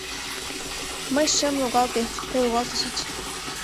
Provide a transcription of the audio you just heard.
Мый шым логалте, тый логалтышыч.